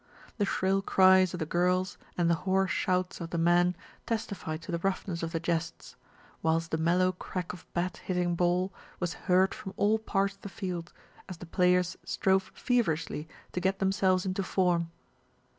The shrill cries of the girls and the hoarse shouts of the men testified to the roughness of the jests; whilst the mellow crack of bat hitting ball was heard from all parts of the field, as the players strove feverishly to get them selves into form.